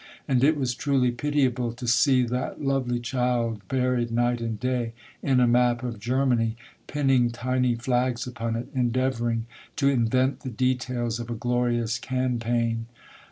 And it was truly pitiable to see that lovely child buried night and day in a map of Germany, pinning tiny flags upon it, endeavoring to invent the details of a glorious campaign.